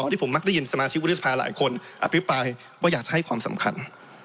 ที่ผมมักได้ยินสมาชิกวุฒิสภาหลายคนอภิปรายว่าอยากจะให้ความสำคัญ